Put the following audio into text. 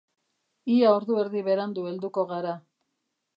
Ia ordu erdi berandu helduko gara.